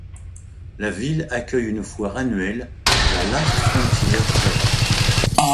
La ville accueille une foire annuelle, la Last Frontier Fair.